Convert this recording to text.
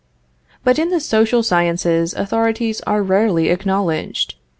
But in the social sciences authorities are rarely acknowledged.